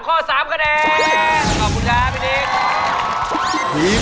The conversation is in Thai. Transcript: ขอบคุณนะพี่นิก